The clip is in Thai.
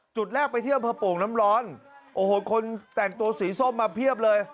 จุดแรกไปที่อำเภอโป่งน้ำร้อนโอ้โหคนแต่งตัวสีส้มมาเพียบเลย